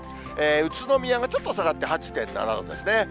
宇都宮がちょっと下がって８．７度ですね。